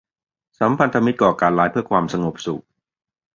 สัมพันธมิตรก่อการร้ายเพื่อความสงบสุข